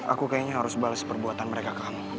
aku kayaknya harus bales perbuatan mereka ke kamu